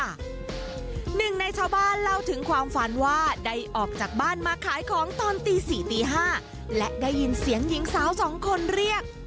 หนึ่งในชาวบ้านเล่าถึงความฝันว่าได้ออกจากบ้านมาขายของตอนตี๔ตี๕และได้ยินเสียงหญิงสาวสองคนเรียก